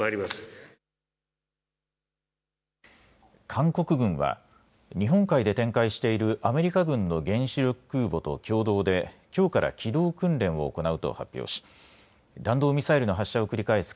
韓国軍は日本海で展開しているアメリカ軍の原子力空母と共同できょうから機動訓練を行うと発表し弾道ミサイルの発射を繰り返す